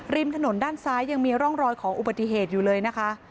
ริมถนนด้านซ้ายยังมีร่องรอยของอุบัติเหตุอยู่เลยนะคะ